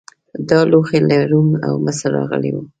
دا لوښي له روم او مصر راغلي وو